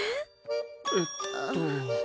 えっと。